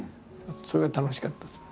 それが楽しかったですね。